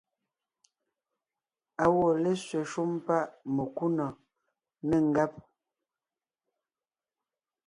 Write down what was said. Á wɔ́ lésẅɛ shúm páʼ mekúnɔ̀ɔn, nê ngáb.